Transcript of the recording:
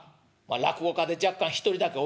落語家で若干１人だけおるけど」。